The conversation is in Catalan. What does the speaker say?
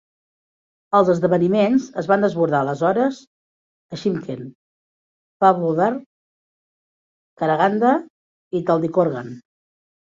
Els esdeveniments es van desbordar aleshores a Shymkent, Pavlodar, Karaganda i Taldykorgan.